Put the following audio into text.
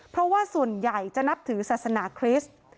เพราะว่าส่วนใหญ่จะนับถือศาสนาคริสต์